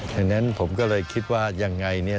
ฉะนั้นผมก็เลยคิดว่ายังไง